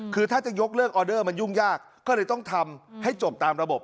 คือถ้าจะยกเลิกออเดอร์มันยุ่งยากก็เลยต้องทำให้จบตามระบบ